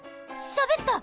しゃべった！